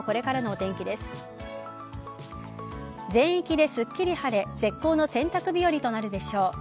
全域ですっきり晴れ絶好の洗濯日和となるでしょう。